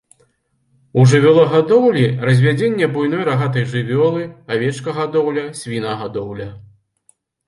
У жывёлагадоўлі развядзенне буйной рагатай жывёлы, авечкагадоўля, свінагадоўля.